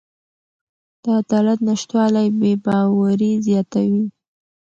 د عدالت نشتوالی بې باوري زیاتوي